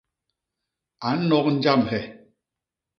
A nnok njamhe.